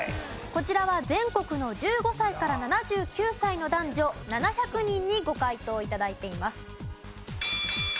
こちらは全国の１５歳から７９歳の男女７００人にご回答頂いています。